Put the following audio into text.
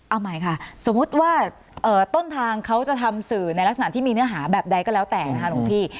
เอาใหม่ค่ะสมมุติว่าต้นทางเขาจะทำสื่อในลักษณะที่มีเนื้อหาแบบใดก็แล้วแต่นะคะหลวงพี่